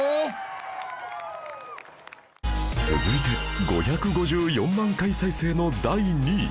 続いて５５４万回再生の第２位